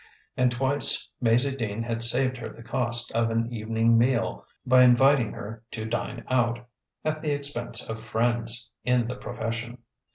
And twice Maizie Dean had saved her the cost of an evening meal by inviting her to dine out at the expense of friends in "the profession."